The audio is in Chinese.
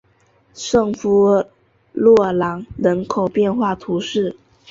圣夫洛朗人口变化图示